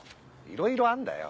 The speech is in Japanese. いろいろあんだよ。